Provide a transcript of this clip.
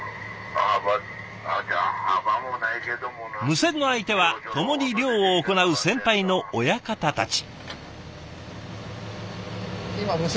無線の相手は共に漁を行う先輩の親方たち。